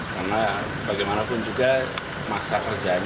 karena bagaimanapun juga masa kerja